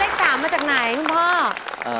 เลข๓มาจากไหนพูดป้อบ